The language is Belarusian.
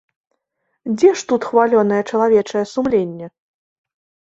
Дзе ж тут хвалёнае чалавечае сумленне?